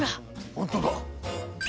本当だ。